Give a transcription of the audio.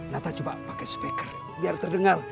nata coba pakai speaker biar terdengar